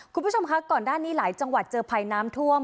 คุณผู้ชมคะก่อนหน้านี้หลายจังหวัดเจอภัยน้ำท่วม